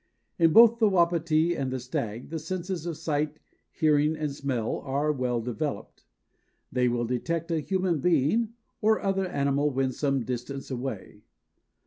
In both the Wapiti and the stag the senses of sight, hearing and smell are well developed. They will detect a human being or other animal when some distance away.